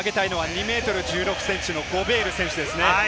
まずは２ｍ１６ｃｍのゴベール選手です。